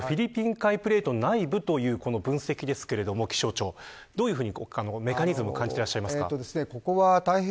このフィリピン海プレートの内部という分析ですがどういうふうにメカニズムを感じていらっしゃいますか。